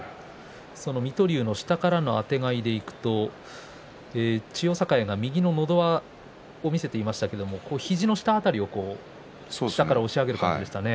水戸龍の下からのあてがいでいくと千代栄が右ののど輪見せていましたけど右の肘の下辺りを下から押し上げる感じでしたね。